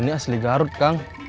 ini asli garut kang